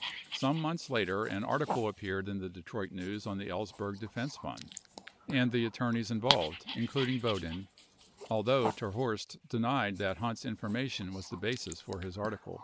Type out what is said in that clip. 22 Some months later an article ap peared in the Detroit News on the Ellsberg defense fund and the attorneys involved, including Boudin, although terHorst denied that Hunt's information was the basis for his article.